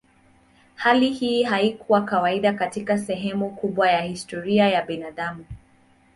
Hali hii haikuwa kawaida katika sehemu kubwa ya historia ya binadamu.